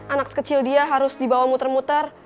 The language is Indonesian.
anak sekecil dia harus dibawa muter muter